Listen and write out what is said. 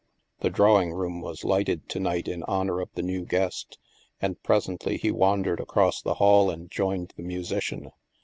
The drawing room was lighted to night in honor of the new guest, and presently he wandered across the hall and joined the musician.